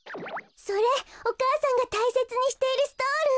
それお母さんがたいせつにしているストール！